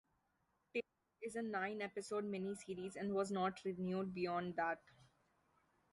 "Tilt" is a nine-episode mini-series and was not renewed beyond that.